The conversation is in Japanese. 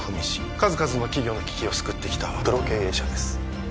数々の企業の危機を救ってきたプロ経営者です